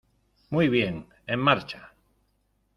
¡ Muy bien, en marcha!